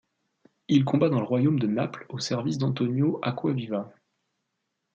Il combat dans le royaume de Naples au service d'Antonio Acquaviva.